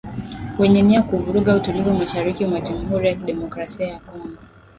Wenye nia ya kuvuruga utulivu mashariki mwa Jamhuri ya Kidemokrasia ya Kongo